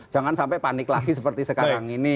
jangan sampai panik lagi seperti sekarang ini